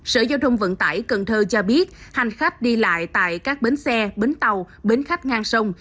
sở giao thông vận tải cần thơ cho biết hành khách đi lại tại các bến xe bến tàu bến khách ngang sông